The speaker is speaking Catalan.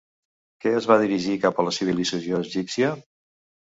Què es va dirigir cap a la civilització egípcia?